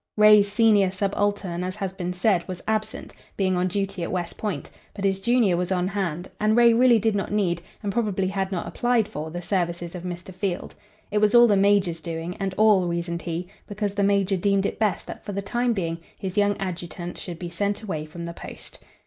Ray's senior subaltern, as has been said, was absent, being on duty at West Point, but his junior was on hand, and Ray really did not need, and probably had not applied for, the services of Mr. Field. It was all the major's doing, and all, reasoned he, because the major deemed it best that for the time being his young adjutant should be sent away from the post.